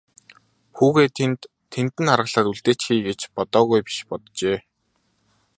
Хүүгээ тэнд нь аргалаад үлдээчихье гэж бодоогүй биш боджээ.